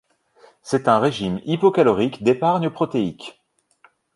C'est un régime hypocalorique d'épargne protéique.